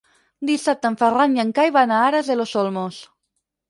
Dissabte en Ferran i en Cai van a Aras de los Olmos.